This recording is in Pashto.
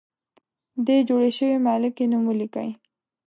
د جوړې شوې مالګې نوم ولیکئ.